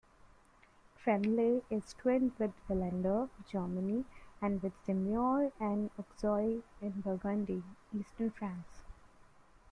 Cranleigh is twinned with Vallendar, Germany, and with Semur-en-Auxois in Burgundy, eastern France.